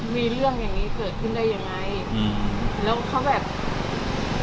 มีเรื่องอย่างนี้เกิดขึ้นได้ยังไง